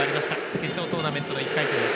決勝トーナメントの１回戦です。